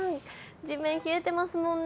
地面、冷えてますもんね。